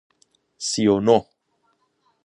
سی و نه